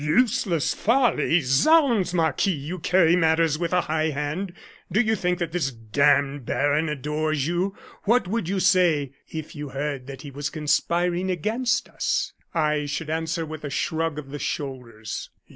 "Useless folly! Zounds! Marquis, you carry matters with a high hand. Do you think that this d d baron adores you? What would you say if you heard that he was conspiring against us?" "I should answer with a shrug of the shoulders."